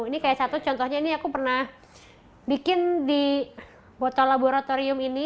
ini kayak satu contohnya ini aku pernah bikin di botol laboratorium ini